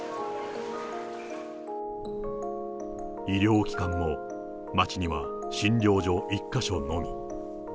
医療機関も、町には診療所１か所のみ。